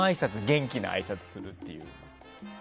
元気なあいさつするっていう。